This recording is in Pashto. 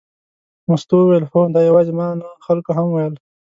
مستو وویل هو، خو دا یوازې ما نه خلکو هم ویل.